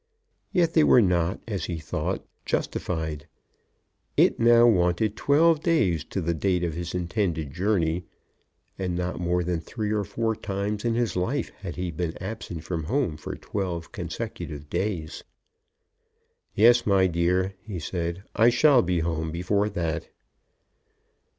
Yet they were not, as he thought, justified. It now wanted twelve days to the date of his intended journey, and not more than three or four times in his life had he been absent from home for twelve consecutive days. "Yes, my dear," he said, "I shall be home before that."